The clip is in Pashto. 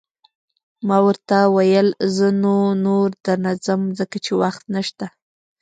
ما ورته وویل: زه نو، نور در نه ځم، ځکه چې وخت نشته.